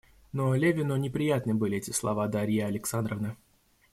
Но Левину неприятны были эти слова Дарьи Александровны.